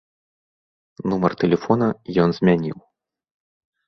Нумар тэлефона ён змяніў.